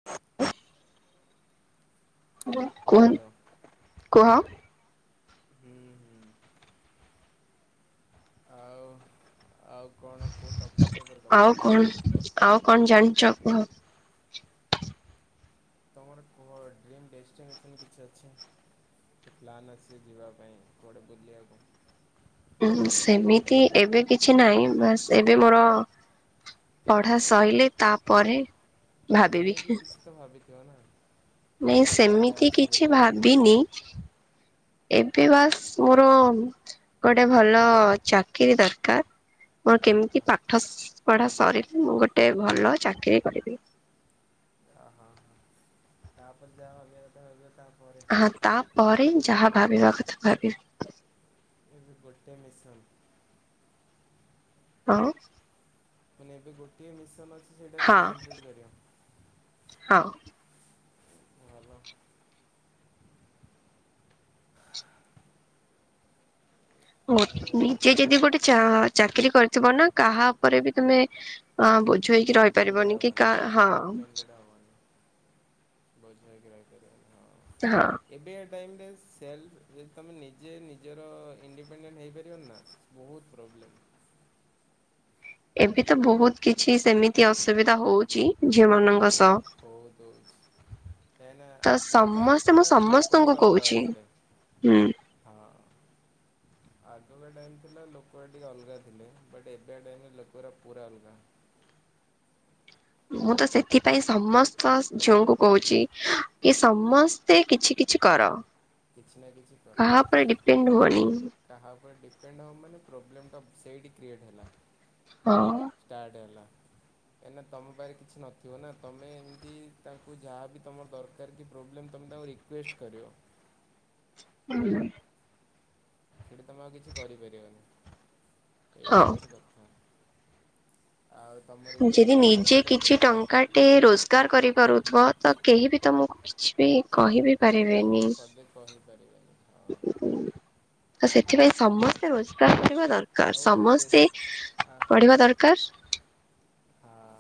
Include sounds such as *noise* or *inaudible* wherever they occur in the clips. *unintelligible* କୁହ ହ୍ୟାଲୋ। କୁହ। ହୁଁ ହୁଁ। ଆଉ ଆଉ କଣ କୋଉ ଟପିକ୍ ଉପରେ କଥା ଆଉ ହବା? କଣ ଆଉ କଣ ଜାଣିଚ କୁହ? ତମର କୁହ ଡ୍ରିମ୍ ଡେଷ୍ଟିନେସନ୍ କିଛି ଅଛି? କି ପ୍ଲାନ୍ ଅଛି ଯିବା ପାଇଁ କୁଆଡ଼େ ବୁଲିବାକୁ? ଉଁ ସେମିତି ଏବେ କିଛି ନାହିଁ। ବାସ୍ ଏବେ ମୋର ପଢା ସଇଲେ ତାପରେ ମେ ଭାବିବି ବି କିଛି ତ ଭାବିଥିବ ନା। ଏଇ ନାଇଁ ଏଇ ଜାଗା ସେମିତି ଅଛି କିଛି ବୁଲିବାକୁ। ଭାବିନି। ଏବେ ବାସ୍ ମୋର ଗୋଟେ ଭଲ ଚାକିରୀ ଦରକାର। ମୋର କେମିତି ଅ ପାଠ ସ ପଢା ସରିଲେ ମୁଁ ଗୋଟେ ଭଲ ଚାକିରୀ କରିବି। ଓ ହୋ ତାପରେ ଯାହା ଭାବିବା କଥା ଭାବିବ ତାପରେ ହଁ ତାପରେ ଯାହା ଭାବିବା କଥା ଭାବିବି। ଏବେ ଗୋଟେ ମିଶନ୍। ହଁ। ମାନେ ଏବେ ଗୋଟିଏ ମିଶନ୍ ଅଛି ସେଇଟା ହଁ କେମିତି କମ୍ପ୍ଲିଟ୍ କରିବ? ହଁ। ଭଲ ଆଉ। ମୋ ଆଉ ନିଜେ ଯଦି ଗୋଟେ ଚା ଚାକିରୀ କରିଥିବ ନା କାହା ଉପରେ ବି ତମେ ଅଁ ବୋଝ ହେଇକି ରହିପାରିବନି କି କା ହଁ। ଝ ହବନି। ବୋଝ ହେଇକି ରହିପାରିବନି ହଁ। ହଁ। ଏବେକା ଟାଇମ୍ ରେ ସେଲ୍ ଯେଦି ତମେ ନିଜେ ନିଜର ଇଣ୍ଡିପେଣ୍ଡେଣ୍ଟ ହେଇ ପାରିବନି ନା ବହୁତ ପ୍ରୋବ୍ଲେମ୍। ଏବେ ତ ବହୁତ କିଛି ସେମିତି ଅସୁବିଧା ହଉଛି। ଝିଅ ମାନଙ୍କ ସହ ବହୁତ ବହୁତ ହେଉଛି। କାଇଁ ନା ତ ଆଗରୁ ଟାଇମ୍ ସମସ୍ତେ ମୁଁ ଥିଲା ଲୋକ ସମସ୍ତଙ୍କୁ ଟିକେ ଅଲଗା କହୁଛି ଥିଲେ। ହୁଁ ହଁ। ଆଗକା ଟାଇମ୍ ଥିଲା ଲୋକଗୁରା ଟିକେ ଅଲଗା ଥିଲେ ବଟ୍ ଏବେ ଟାଇମ୍ ରେ ଲୋକଗୁରା ପୁରା ଅଲଗା। ମୁଁ ତ ସେଥିପାଇଁ ସମସ୍ତ ଝିଅଙ୍କୁ କହୁଛି କି ସମସ୍ ସ୍ତେ କିଛି କିଛି କର କିଛି ନା କିଛି କର କାହା ବାସ୍। ଉପରେ ଡିପେଣ୍ଡ ହୁଅନି। କାହା ଉପରେ ଡିପେଣ୍ଡ ହବ ମାନେ ପ୍ରୋବ୍ଲେମ୍ ଟା ସେଇଠି କ୍ରିଏଟ୍ ହେଲା। ହଁ। ଷ୍ଟାର୍ଟ ହେଲା। କାଇଁ ନା ତମ ପାଖରେ କିଛି ନଥିବ ନା ତମେ ଏମିତି ତାଙ୍କୁ ଯାହାବି ତମର ଦର କାର କି ପ୍ରୋବ୍ଲେମ୍ ତମେ ତାଙ୍କୁ ରିକ୍ଵଷ୍ଟ୍ କରିବ। ହୁଁ। ସେଇଠି ତମେ ଆଉ କିଛି କରିପାରିବନି ହଁ ଏଇଟା ହେଉଛି କଥା। ଆଉ ତମ ରିକ୍ୱେଷ୍ଟ ଯେଦି ଯଦି ନିଜେ ଶୁଣିଲେ କିଛି ଟଙ୍କା ପ ଟେ ରୋଜ୍ ସ୍ଵୀକାର କରିପାରୁଥିବ ତ କେହି ବି ତମକୁ କିଛି ବି କହିବି ପାରିବେନି। ପଦେ କହିପାରିବେନି ହଁ। ଉଁ ତ ସେଥିପାଇଁ ସମସ୍ତେ ରୋଜଗାର କରିବା ଦର ଆଉ କାର ଗୋଟେ ବେସ୍ ସମସ୍ତେ ଆ ପଢିବା ଦରକାର। ହଁ।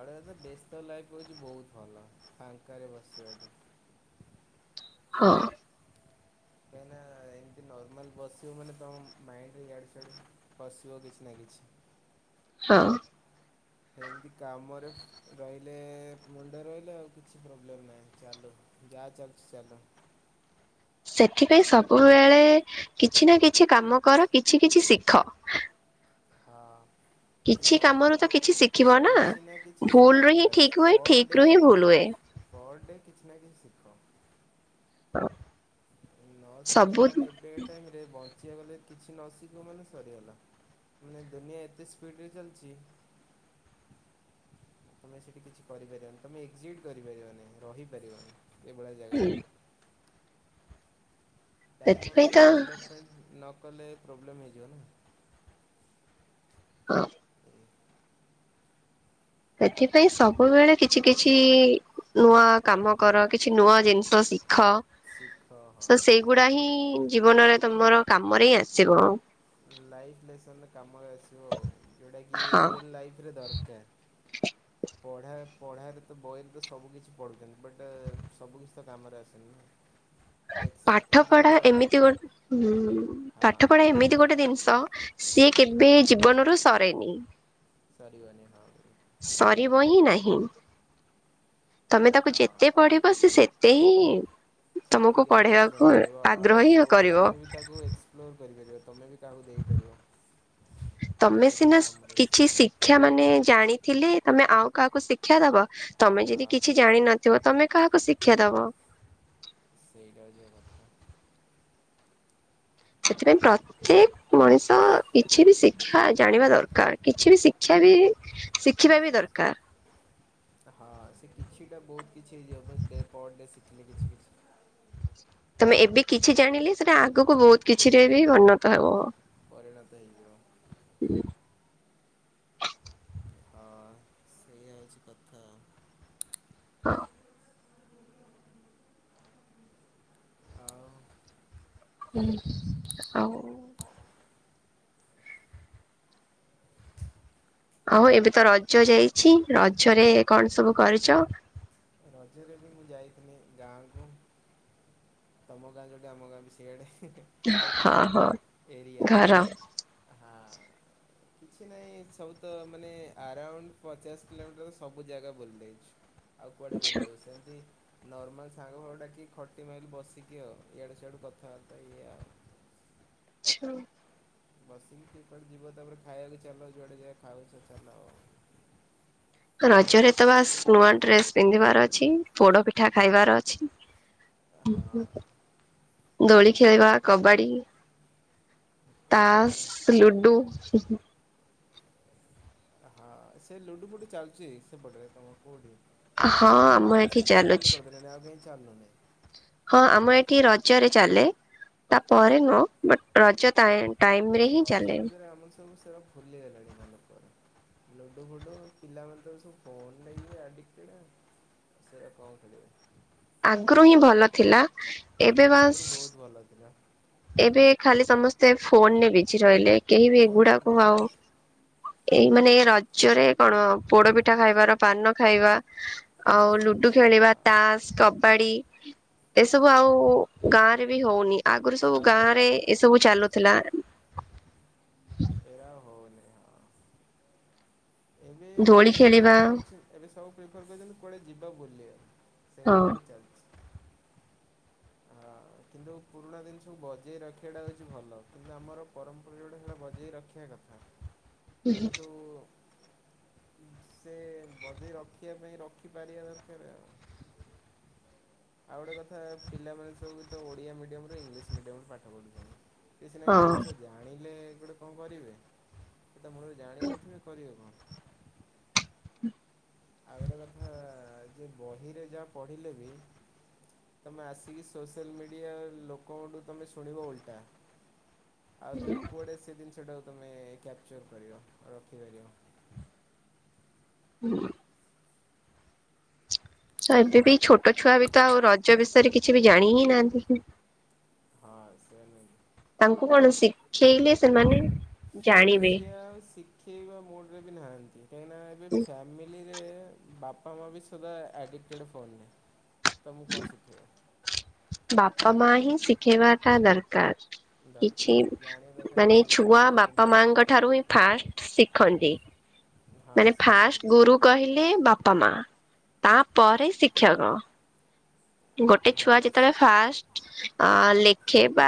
ଆଉ ଗୋଟେ ହଉଛି ଏ ବ୍ୟସ୍ତ ଲାଇଫ୍ ହେଉଛି ବହୁତ ଭଲ ଫାଙ୍କାରେ ବସିବାଠୁ। ହଁ। କାହିଁ ନା ଏମିତି ନର୍ମାଲ୍ ବସିବ ମାନେ ତମ ମାଇଣ୍ଡ ରେ ଇଆଡେ ସିଆଡେ ପଶିବ କିଛି ନାଁ କିଛି। ହଁ। ସେମିତି କାମରେ ରହିଲେ ମୁଣ୍ଡ ରହିଲେ ଆଉ କିଛି ପ୍ରୋବ୍ଲେମ୍ ନାହିଁ ଚାଲୁ ଯାହା ଚାଲିଛି ଚାଲୁ। ସେଥିପାଇଁ ସବୁବେଳେ କିଛି ନା କିଛି କାମ କର କିଛି କିଛି ଶିଖ। ହଁ। କିଛି ସ କାମରୁ ତ କି କିଛି ଶିଖିବ କିଛି ନା କିଛି ଭୁଲ ରୁ ଶିଖ ହିଁ ଠିକ ବାପ ହୁଏ ପର ଠିକ ଡେ ରୁ ହିଁ ଭୁଲ ହୁଏ ପର୍ ଡେ କିଛି ନା କିଛି ଶିଖ? ହଁ। ନ ଶିଖିବ ସବୁ ହୁଁ ମାନେ ଏବେକା ଟାଇମରେ ବଞ୍ଚିବା ଗଲେ କିଛି ନ ଶିଖିବ ମାନେ ସରିଗଲା। ମାନେ ଦୁନିଆ ଏତେ ସ୍ପିଡରେ ଚାଲିଛି। ତମେ ସେଠି କିଛି କରିପାରିବନି ତମେ ଏକ୍ଜିଟ୍ କରିପାରିବନି ରହିପାରିବନି ଏଭଳିଆ ଜାଗାରେ। ଡାଇମ ସେଥିପାଇଁ ତ ଅନୁସାରେ ଡେଭଲପମେଣ୍ଟ ନ କଲେ ପ୍ରୋବ୍ଲେମ୍ ହେଇଯିବ ନା? ହଁ। ହୁଁ ଏଥିପାଇଁ ସବୁବେଳେ କିଛି କିଛି ନୂଆ କାମ କର କିଛି ନୂଆ ଜିନିଷ ଶିଖ। ଶିଖ ହଁ। ଗୁଡା ହିଁ ଜୀବନରେ ତମର କାମରେ ହିଁ ଆସିବ। ଲାଇଫ ଲେସନ କାମରେ ଆସିବ ଆ ଯୋଉଟାକି ହଁ ରିଅଲ ଲାଇଫରେ ଦରକାର। ପଢ଼ା ପଢାରେ ତ ବହିରେ ତ ସବୁ କିିଛି ପଢ଼ୁଛନ୍ତି ବଟ୍ ସବୁ କିିଛି ତ କାମରେ ଆସେନି ନା। ଏକ୍ସ ପାଠ ପଢା ଯୋଉଟା ଏମିତି ଗୋଟେ ହଁ ହଁ ପାଠ ପଢା ଏମିତି ଗୋଟେ ଜିନିଷ। ସିଏ କେବେ ଜୀବନରୁ ସରେନି କରିବାନି ହଁ। ସରିବ ହିଁ ନାହିଁ ତମେ ତାକୁ ହଁ। ଯେତେ ପଢିବ ସେ ତେ ହିଁ। ତମକୁ ସେତେ ଜ୍ଞାନ ପଢେଇବାକୁ ଅର୍ଜନ କରିବ ଆଗ୍ରହ ଆଉ ହିଁ କରିବ ତମେ ବି ତାକୁ ଏକ୍ସପ୍ଲୋର କରିପାରିବ ତମେ ବି କାହାକୁ ଦେଇପାରିବ ତମେ ଯାହାରକି ସିନା କାମରେ ଆସ୍ କିଛି ଶିକ୍ଷା ମାନେ ଜାଣିଥିଲେ ତମେ ଆଉ କାହାକୁ ଶିକ୍ଷା ଦବ ତମେ ଯଦି ହଁ କିଛି ଜାଣିନ ଥିବ ତମେ କାହାକୁ ଶିକ୍ଷା ଦବ? ସେଇଟା *inaudible* ସେଥିପାଇଁ ପ୍ର ପ୍ରତେକ ମଣିଷ କିଛି ବି ଶିକ୍ଷା ଜାଣିବା ଦରକାର କିଛି ବି ଶିକ୍ଷା ବି ଶିଖିବା ବି ଦରକାର। ହଁ ସେ କିଛିଟା ବହୁତ କିଛି ହେଇଯିବ ଡେ ପର ଡେ ଶିଖିଲି କିଛି କିଛି ତମେ ଏବେ କିଛି ଜାଣିଲି ସେଟା ଆଗକୁ ବହୁତ କିଛି ରେ ବି ପରିଣତ ହବ। ପରିଣତ ହେଇଯିବ। ହ ସେଇଆ ହେଇଛି କଥା। ହଁ। ଆଉ ହୁଁ ଆଉ ଆଉ ଏବେ ତ ରଜ ଯାଇଛି ରଜରେ କଣ ସବୁ କରିଛ? ରଜରେ ବି ମୁଁ ଯାଇଥିଲି ଗାଁକୁ ତମ ଗାଁ ଯୋଉଟି ଆମ ଗାଁ ବି ସେଇ ଆଡ଼େ ଲାଇକ୍ ହଁ ଘର ହଁ ଏରିଆ। ଘର ହଁ। କିଛି ନାହିଁ ସବୁ ତ ମାନେ ଆରାଉଣ୍ଡ ପଚାଶ କିଲୋମିଟର ସବୁ ଜାଗା ବୁଲିଲି। ଆଉ କୁଆଡେ ଆଛା ବୁଲିବି ସେମତି ନର୍ମାଲ ସାଙ୍ଗ ଘର ଡାକି ଖଟି ମାଇଲୁ ବସି। ଏତିକି ଆଉ ଇଆଡୁ ସିଆଡ଼ୁ କଥା ବାର୍ତ୍ତା ଇଏ ଆଉ ଛା ବସିକି କିଏ କୁଆଡେ ଯିବା ତାପରେ ଖାଇବାକୁ ଚାଲ ଯୁଆଡେ ଯା ଖାଉଛ ଚାଲ ଅ,। ରଜରେ ତ ବାସ୍ ନୂଆ ଡ୍ରେସ୍ ପିନ୍ଧିବାର ଅଛି, ପୋଡ ପିଠା ଖାଇବାର ଅଛି। *unintelligible* ଦୋଳି ଖେଳିବା, କବାଡି କବାଡ଼ି ତାସ୍, ଲୁଡୁ। ହଁ ସେ ଲୁଡୁ ଫୁଡୁ ଚାଲୁଛି ସେପଟରେ ତୋମ କୋଉଠି? ହଁ ଲୁଡୁ ଫୁଡୁ ଆମ ଏଠି ସେପଟରେ ତ ଚାଲୁଛି। ବନ୍ଦ କରିଦେଲେଣି ଆଉ କାହିଁ ଚାଲୁନି। ହଁ ଆମ ଏଠି ରଜରେ ଚାଲେ, ତାପରେ ନୁହଁ, ବଟ୍ ରଜ ତାଇଁ ରଜ ଫଜରେ ଆମର ସବୁ ସେଟା ଭୁଲିଗଲେଣି ମନେକର। ଲୁଡୁ ଫୁଡ଼ୁ ପିଲାମାନେ ତ ସବୁ ଫୋନ୍ ରେ ଇଏ ଆଡ଼ିକଟେଡ଼୍। ସେଟା କଣ ଖେଳିବେ। ଆଗରୁ ହିଁ ଭଲ ଥିଲା। ଏବେ ବାସ୍ ଆଗରୁ ବହୁତ ଭଲ ଥିଲା। ଏବେ ଖାଲି ସମସ୍ତେ ଫୋନ୍ ରେ ବିଜି ରହିଲେ। କେହି ବି ଫୋନରେ ଏଗୁଡାକୁ ବହୁତ ଆଉ କିଛି ଏଇ ମାନେ ଏ ରଜରେ କଣ ପୋଡ ପିଠା ଖାଇବାର ପାନ ଖାଇବା। ଆଉ ଲୁଡୁ ଆହା ଖେଳିବା, ତାସ୍ କବାଡି ଏସବୁ ଆଉ ଗାଁ ରେ ବି ହଉନି। ଆ ଗୁରୁ ସବୁ ଆଉ ଗାଁ ରେ ହଉନି ଏ ଆଉ ସବୁ ହଉନି। ଚାଲୁଥିଲା। ଏରା ଆଉ ହଉନି *inaudible* ଏବେ ଦୋଳି ଖେଳିବା ପ୍ରିଫର୍ କରିଛି ଏବେ ସବୁ ପ୍ରିଫର୍ କରୁଛନ୍ତି କୁଆଡ଼େ ଯିବା ବୁଲିବା, ହଁ ସେଇଆ ଆଉ ଚାଲୁ ହଁ କିନ୍ତୁ ପୁରୁଣା ଜିନିଷକୁ ବଜେଇ ରଖିବାଟା ହଉଛି ଭଲ। କିନ୍ତୁ ଆମର ପରମ୍ପରା ଯୋଉଟା ସେଟା ବଜେଇ ରଖି ଖିଆ କଥା କିନ୍ତୁ ସେ ବଜେଇ ରଖିବା ପାଇଁ ରଖିପାରିବା ଦରକାର ଆଉ। ଆଉ ଗୋଟେ କଥା ପିଲାମାନେ ସବୁ ତ ଓଡ଼ିଆ ମିଡିୟମ୍ ରୁ ଇଂଲିଶ ମିଡିୟମ୍ ରୁ ପାଠ ପଢୁଛନ୍ତି ସିଏ ସିନା ହଁ ଏଇ ଜିନିଷ ଜା ଆାଣିଲେ ଗୋଟେ କଣ କରିବେ, ସେ ତ ମୁଳରୁ ଜାଣିନଥିବେ କରିବେ କଣ। ଆଉ ଗୋଟେ କଥା ଯେ ବହିରେ ଯାହା ପଢିଲେ ବି ତୋମେ ଆସିକି ସୋସିଆଲ୍ ମିଡିଆ ଲୋକଙ୍କଠୁ ତୋମେ ଶୁଣିବ ଓଲଟା। ଆଉ ତୋମେ କୁଆଡେ ସେ ଜିନିଷଟାକୁ ତୋମେ କ୍ୟାପଚର୍ କରିବ ରଖିପାରିବ। ହୁଁ। ତ ଏବେ ବି ଛୋଟ ଛୁଆ ବି ତ ଆଉ ରଜ ବିଷୟରେ କିଛି ବି ଜାଣି ହିଁ ନାହାନ୍ତି। *unintelligible* ହଁ ସେଇଆ *inaudible* ତାଙ୍କୁ କଣ ଶିଖେଇଲେ ସେମାନେ ଜାଣିବେ। ସିଏ ଆଉ ଶିଖେଇବା ମୋଡ଼୍ ରେ ବି ନାହାନ୍ତି, କାହିଁକିନା ଏବେ ଫ୍ୟାମିଲି ରେ ବାପା ମା ବି ସଦା ଆଡ଼ିକ୍ଟେଡ଼୍ ଫୋନ୍ ରେ, ତୋମକୁ କଣ ଶିଖେଇବେ? ବାପା ମା ହିଁ ଶିଖେଇବାଟା ଦରକାର। କିଛି ଦରକାର ଜାଣିବା ଦରକାର ଯେ ମାନେ ଏଇ ଏ ଜିନିଷଟା ଛୁଆ ଏଇଆ ଏଇ ବାପା ଜିନିଷଟା ଏଇଆ ମାଙ୍କ ଠାରୁ ହିଁ ଫାଷ୍ଟ ଶିଖନ୍ତି। ହଁ ମାନେ ସେୟା ନୁହେଁ ଫାଷ୍ଟ ଗୁରୁ କହିଲେ ବାପା ମା, ତାପରେ ଶିକ୍ଷକ। ଗୋଟେ ହଁ ଛୁଆ ଯେତେବେଳେ ଫାଷ୍ ଅ, ଲେଖେ ବା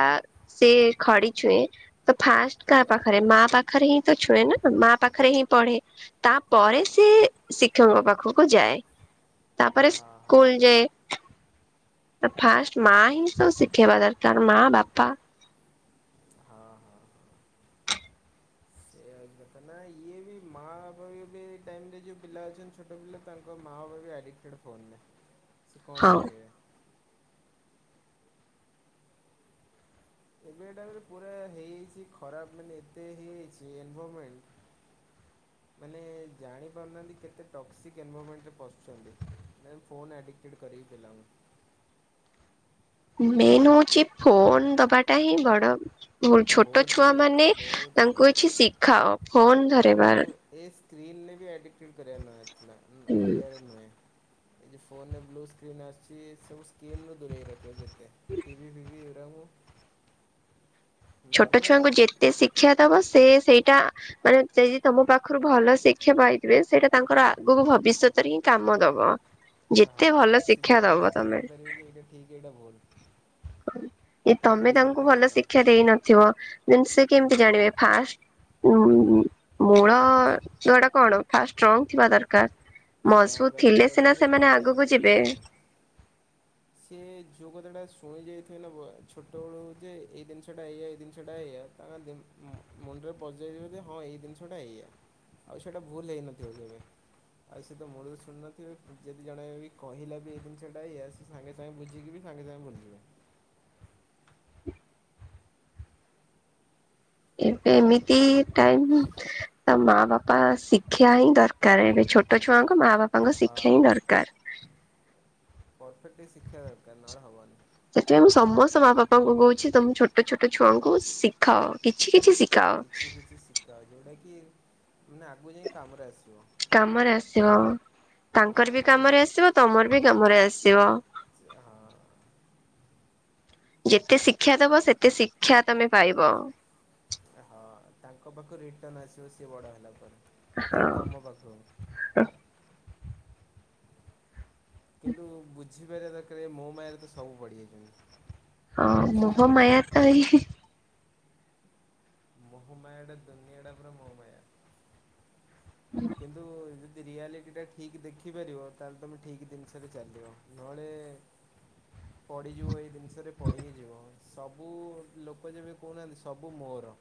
ସିଏ ଖଡି ଛୁଏଁ ତ ଫାଷ୍ଟ କାହା ପାଖରେ ମା ପାଖରେ ହିଁ ତ ଛୁଏଁ ନା ମା ପାଖରେ ହିଁ ପଢେ। ହଁ ହଁ ତାପରେ ସିଏ ଶିକ୍ଷକଙ୍କ ପାଖକୁ ଯାଏ, ତାପରେ ହଁ ସ୍କୁଲ୍ ଯାଏ। ତ ଫାଷ୍ଟ ମା ହିଁ ତ ଶିଖେଇବା ଦରକାର ମା ବାପା। ହଁ ହଁ। ଏଇଆ ହୋଉଚି କଥା। ନା ଇଏ ବି ମା ବାପା ବି ଏବେ ଟାଇମରେ ଯୋଉ ପିଲା ଅଛନ୍ତି ଛୋଟ ପିଲା ତାଙ୍କ ମାଆ ବାପା ବି ଆଡ଼ିକ୍ଟେଡ଼ ଫୋନରେ ସିଏ କଁ ହଁ ଶିକେଇବେ? ଏବେ ଏଟା ପୁରା ହେଇଯାଇଛି ଖରାପ ମାନେ ଏତେ ହେଇଯାଇଛି ଏନଭରମେଣ୍ଟ୍। ମାନେ ଜାଣିପାରୁନାହାନ୍ତି କେତେ ଟକ୍ସିକ୍ ଏନଭରମେଣ୍ଟରେ ପଶୁଛନ୍ତି। ମ୍ୟାମ୍ ଫୋନ ଆଡିକଟେଡ଼ କରିବି ପିଲା ମୁଁ। ମେନ୍ ହଉଛି ଫୋନ ଦବାଟା ହିଁ ବଡ଼ ଭୁଲ ଛୋଟ ବହୁତ ଛୁଆ ଭୁଲ ମାନେ ବହୁତ ତାଙ୍କୁ ଭୁଲ। ଇଛି ଶିଖାଅ ଫୋନ ଧ ତାଙ୍କୁ ଏ ସ୍କ୍ରିନରେ ବି ଆଡ଼ିକଟେଡ଼ କରିଥିଲା ନଥିଲା ଉଁ କରିବାର ନୁହେଁ। ଏହି ଫୋନ ରେ ବ୍ଲୁ ସ୍କ୍ରିନ୍ ଆସିଛି ସବୁ ସି ସ୍କିନରୁ ଦୂରେଇ ରଖିବ ଯେତେ ଟି ଭିି ଫିଭିି ଏରା ମୁଁ ଛୋଟ ଛୁଆଙ୍କୁ ଯେତେ ଶିକ୍ଷା ଦବ ସିଏ ସେଇଟା ମାନେ ଚେ ଯେ ତମ ପାଖରୁ ଭଲ ଶିକ୍ଷା ପାଇଥିବେ ସେଇଟା ତାଙ୍କର ଆ ଆଗକୁ ଭବିଷ୍ୟତରେ ହିଁ କାମ ଦବ ହଁ ଯେତେ ଭଲ ସେ ଶିକ୍ଷା ଜାଣି ଦବ ତମେ। *unintelligible* ଠିକ୍ ଏଇଟା ଭୁଲ। ଏ ଏଇ ତମେ ଜିନିଷଟା ତାଙ୍କୁ ଭଲ ଏଇଆ। ଶିକ୍ଷା ଦେଇନଥିବ ନହେନେ ସେ କେମିତି ଜାଣିବେ ଫାଷ୍ଟ ଉଁ ମୂଳ ଦୁଆଟା କଣ ଫାଷ୍ଟ୍ ଷ୍ଟ୍ରଙ୍ଗ୍ ଥିବା ଦରକାର। ମଜବୁତ ଷ୍ଟ୍ରଙ୍ଗ ରହିଥିବା ଥିଲେ ସିନା ଦରକାର ଯେ ସେମାନେ ଜାଣିବା ଆଗକୁ ଦରକାର ଯିବେ। ଯେ ସିଏ ଯୋଉ କଥାଟା ଶୁଣି ଯାଇଥିବେନା ଛୋଟବେଳୁ ଯେ ଏଇ ଜିନିଷଟା ଏଇଆ ଏଇ ଜିନିଷଟା ଏଇଆ। ତାଙ୍କ ମୁ ମୁଣ୍ଡରେ ପଶିଯାଇଚି ବୋଧେ ହଁ ଏଇ ଜିନିଷଟା ଏଇଆ। ଆଉ ସେଇଟା ଭୁଲ ହେଇନଥିବ କେବେ? ଆଉ ସେ ତ ମୂଳରୁ ଶୁଣିନଥିବେ ଯଦି ଜଣେବି କହିଲା ବି ଏଇ ଜିନିଷଟା ଏଇଆ ସ ସାଙ୍ଗେ ସାଙ୍ଗେ ବୁଝିକି ବି ସାଙ୍ଗେ ସାଙ୍ଗେ ଭୁଲିଯିବେ। ଏବେ ଏମିତି ଟାଇମ *unintelligible* ତ ମା ବାପା ଶିକ୍ଷା ହିଁ ଦରକାର ଏବେ ଛୋଟ ଛୁଆଙ୍କ ମା ବା ହଁ ପରଫେକ୍ଟ୍ ଶିକ୍ଷା ଦରକାର ନହେଲେ ହବନି। ସେଥିପାଇଁ ମୁଁ ସମସ୍ତ ମା ବାପାଙ୍କୁ କହୁଛି ତମ ଛୋଟ ଛୋଟ ଛୁଆଙ୍କୁ ଶିଖାଅ କିଛି କିଛି ଶି କିଛି କିଛି ଶିଖା ଯୋଉଟା କି ନା କାମରେ ଆସିବ ହଁ ତାଙ୍କର ବି ଆଉ କାମରେ ଆସିବ। ତମର ବି କାମରେ ଆସିବ। ଏ ହଁ। ଯେତେ ଶିକ୍ଷା ଦବ ସେତେ ଶିକ୍ଷା ତମେ ପାଇବ। ହଁ ତାଙ୍କ ପାଖରୁ ରିଟର୍ଣ୍ଣ ଆସିବ ସିଏ ବଡ଼ ହେଲା ପରେ ଫେରେ ତମ ପାଖକୁ। ହଁଁ। କିନ୍ତୁ ବୁଝିପାରିବା ଦରକାର ମୋ ମାୟରେ ତ ସବୁ ପଡ଼ିଯାଇଛନ୍ତି। ହଁ ମୋହ ମାୟାତ ଏହି ମୋହମାୟାଟା ଦୁନିଆଟା ପରା ମୋହମାୟା। ହୁଁ। କିନ୍ତୁ ଯଦି ରିଆଲିଟିଟା ଠିକ୍ ଦେଖିପାରିବ ତାହେଲେ ତୁମେ ଠିକ୍ ଦିନିଷରେ ଚାଲିବ। ନହଳେ ପଡିଯିବ ଏଇ ଜିନିଷରେ ପଡି ହିଁ ଯିବ ସବୁ ଲୋକ ଯେବେ କହୁନାହାନ୍ତି ସବୁ ମୋର।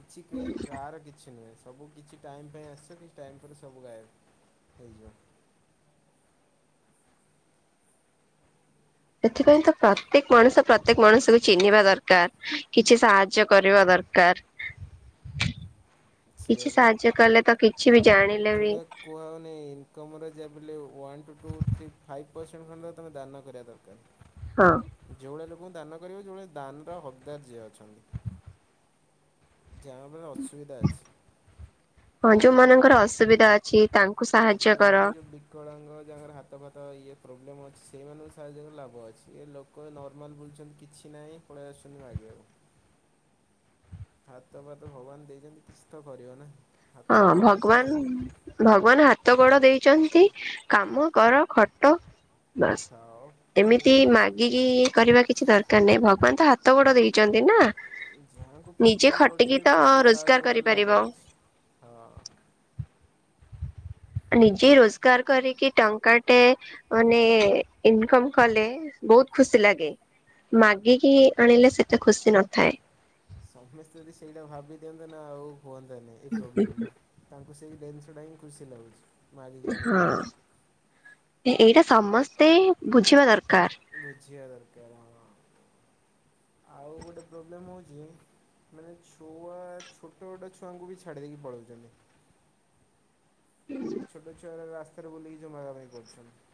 କିଛି କେହି କାର କିଛି ନୁହେଁ ସବୁ କିଛି ଟାଇମ ପାଇଁ ଆସ ତି ଟାଇମ୍ ପରେ ସବୁ ଗାଏବ ହେଇଯିବ। ସେଥିପାଇଁ ତ ପ୍ରତ୍ୟେକ ମଣିଷ ପ୍ରତ୍ୟେକ ମଣିଷକୁ ଚିହ୍ନିବା ଦରକାର କିଛି ସାହାଯ୍ୟ କରିବା ଦର କାର। *inaudible* ସେଇଆ କିଛି ପା। ସାହାଯ୍ୟ କଲେ ତ କିଛି ବି ଜାଣିଲେ ବି କୁହା ହୋଉନି ଇନକମରେ ଯାହାବେଲେ one two three five percent ଖଣ୍ଡେ ତମେ ଦାନ କରିବା ଦ ରକାର। ହଁ। ଯୋଉଭଳିଆ ଲୋକକୁ ଦାନ କରିବ ଯୋଉଭଳିଆ ଦାନର ହକଦାର ଯିଏ ଅଛନ୍ତି। ଜାହା ବି ହେଲେ ଅସୁବିଧା ଅଛି। ହଁ ଯୋଉମାନଙ୍କର ଅସୁବିଧା ଅଛି ତା ଯୋଉମାନେ ଯୋଉ ବି କଳାଙ୍ଗ ଯାହାର ହାତ ଫାତ ଇଏ ପ୍ରୋବ୍ଲେମ୍ ଅଛି। ସେଇମାନଙ୍କୁ ସାହାଯ୍ୟ କଲେ ଲାଭ ଅଛି। ଏ ଲୋ କ ନର୍ମାଲ ବୁଲୁଚନ୍ତି କିଛି ନାହିଁ ପଳେଇ ଆସୁଚନ୍ତି ମାଗିବାକୁ। ହାତ ଫାତ ଭଗବାନ ଦେଇଚନ୍ତି କିଛି ତ କରିବ ନା। ହାତ ହଁ ଗୋଡ଼ ଭଗବାନ ଦେଇଛନ୍ତି ଭଗବାନ ହାତ ଗୋଡ ଦେଇଚନ୍ତି। କାମ କର ଖଟ। ବାସ୍ ଖାଅ ପିଅ ଏମିତି ମାଗିକି କରିବା କିଛି ଦରକାର ନାହିଁ ଭଗବାନ ତ ହାତ ଗୋଡ ଦେଇଚନ୍ତି ନା। ଯାହାଙ୍କୁ ନିଜେ ପ୍ରୋବ୍ଲେମ୍ ଖଟିକି କରୁଚନ୍ତି ତ ତାଙ୍କୁ ରୋଜଗାର ସାହାଯ୍ୟ କଲେ ଲାଭ କରିପାରିବ। ଅଛି ହଁ। ନିଜେ ରୋଜଗାର କରିକି ଟଙ୍କାଟେ ମାନେ ଇନକମ୍ କଲେ ବୋହୁତ ଖୁସି ଲାଗେ। ମାଗିକି ଆଣିଲେ ସେତେ ଖୁସି ନଥାଏ। ସମସ୍ତେ ଯଦି ସେଇଟା ଭାବି ଦିଅନ୍ତତା ନା ଆଉ ହୁଅନ୍ତତାନି ଏଇ ପ୍ରୋବ୍ଲେମଟା। ତାଙ୍କୁ ସେଇ ଦିନସଟା ହିଁ ଟା ହିଁ ଖୁସି ଲାଗୁଚି। ହଁ ଏଇଟା ସମସ୍ତେ ବୁଝିବା ଦରକାର। ବୁଝିବା ଦରକାର ହଁ। ଆଉ ଗୋଟେ ପ୍ରୋବ୍ଲେମ୍ ହୋଉଚି। ମାନେ ଛୁଆ ଛୋଟ ଛୋଟ ଛୁଆଙ୍କୁ ବି ଛାଡିଦେଇକି ପଳୋଉଚନ୍ତି। ଛୋଟ ଛୁଆଗୁରାକ ରାସ୍ତାରେ ବୁଲିକି ଯୋଉ ମାଗାମାଗି କରୁଛନ୍ତି।